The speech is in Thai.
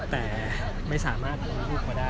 ไม่ใช่นี่คือบ้านของคนที่เคยดื่มอยู่หรือเปล่า